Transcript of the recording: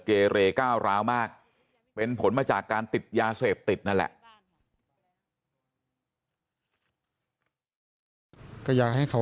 เกเรก้าวร้าวมากเป็นผลมาจากการติดยาเสพติดนั่นแหละ